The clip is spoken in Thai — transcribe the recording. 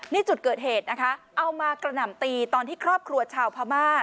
นี่จุดเกิดเหตุนะคะเอามากระหน่ำตีตอนที่ครอบครัวชาวพม่า